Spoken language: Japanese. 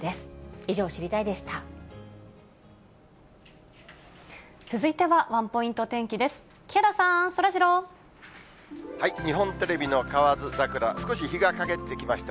以上、知りたいッ！でした。